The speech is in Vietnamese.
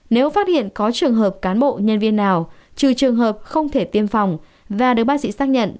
nếu phát hiện có trường hợp cán bộ nhân viên nào trừ trường hợp không thể tiêm phòng và được bác sĩ xác nhận